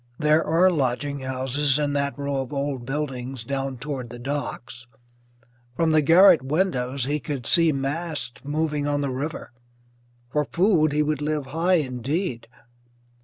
There are lodging houses in that row of old buildings down toward the docks; from the garret windows he could see masts moving on the river. For food he would live high indeed.